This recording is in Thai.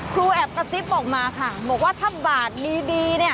แอบกระซิบออกมาค่ะบอกว่าถ้าบาทดีเนี่ย